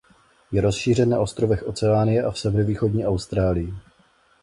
Je rozšířen na ostrovech Oceánie a v severovýchodní Austrálii.